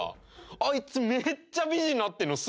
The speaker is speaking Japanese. あいつめっちゃ美人になってるのすごくない？